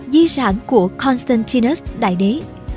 di sản của constantinus đại đế